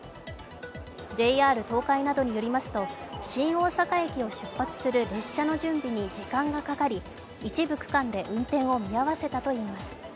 ＪＲ東海などによりますと、新大阪駅を出発する列車の準備に時間がかかり、一部区間で運転を見合わせたといいます。